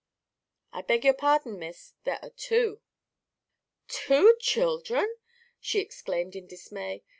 "I beg your pardon, Miss; there are two." "Two children!" she exclaimed in dismay.